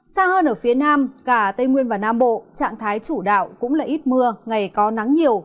xa hơn ở phía nam cả tây nguyên và nam bộ trạng thái chủ đạo cũng là ít mưa ngày có nắng nhiều